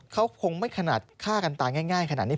เขาคงไม่ขนาดฆ่ากันตายง่ายขนาดนี้